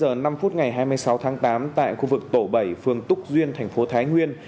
trước đó vào khoảng hai mươi h năm phút ngày hai mươi sáu tháng tám tại khu vực tổ bảy phương túc duyên thành phố thái nguyên